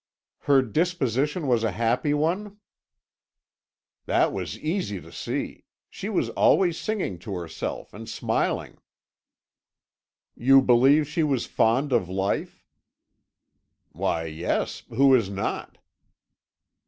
"Her disposition was a happy one?" "That was easy to see. She was always singing to herself, and smiling." "You believe she was fond of life?" "Why yes who is not?"